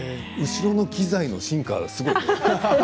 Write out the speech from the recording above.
後ろの機材の進化がすごい。